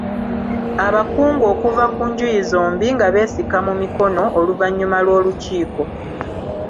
Abakungu okuva ku njuuyi zombi nga beesika mu mikono oluvannyuma lw’olukiiko.